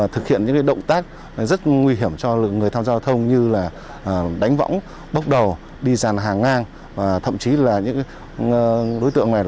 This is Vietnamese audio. thậm chí là những đối tượng này